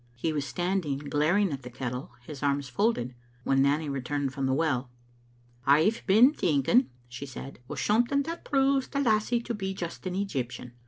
He was standing glaring at the kettle, his arms folded, when Nanny returned from the well. "I've been thinking," she said, "o' something that proves the lassie to be just an Egyptian.